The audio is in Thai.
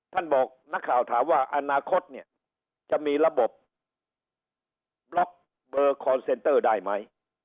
บอกนักข่าวถามว่าอนาคตเนี่ยจะมีระบบบล็อกเบอร์คอนเซนเตอร์ได้ไหม